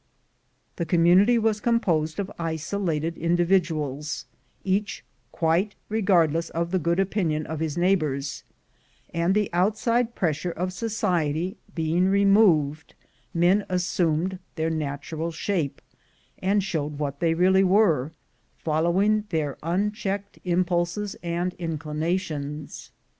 The community was composed of isolated Individuals, each quite regardless of the good opinion of his neighbors; and, the outside pressure of society being removed, men assumed their natural shape, and showed what they really were, following their LIFE AT HIGH SPEED 75 unchecked impulses and inclinations.